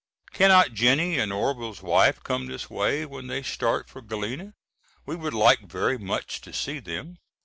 Cannot Jennie and Orvil's wife come this way when they start for Galena? We would like very much to see them.